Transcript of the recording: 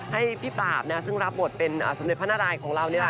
ให้พี่ปราบซึ่งรับบทเป็นสมเด็จพระนารายของเรานี่แหละ